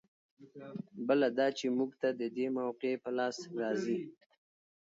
بله دا چې موږ ته د دې موقعې په لاس راځي.